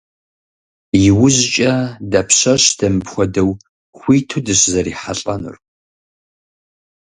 ИужькӀэ дапщэщ дэ мыпхуэдэу хуиту дыщызэрихьэлӀэнур?